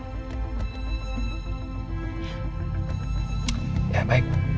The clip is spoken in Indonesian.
jadi di luar pekerjaan kita ini berteman